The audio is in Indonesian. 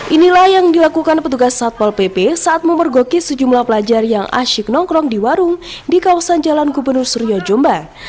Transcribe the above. inilah yang dilakukan petugas satpol pp saat memergoki sejumlah pelajar yang asyik nongkrong di warung di kawasan jalan gubernur suryo jombang